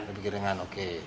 lebih ringan oke